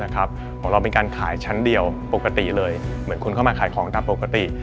ของเราเป็นการขายชั้นเดียวปกติเลยเหมือนคนเข้ามาขายของตามปกติ